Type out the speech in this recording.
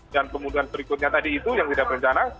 dan pembunuhan berikutnya tadi itu yang tidak rencana